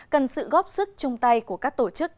cần sự góp sức chung tay của các tổ chức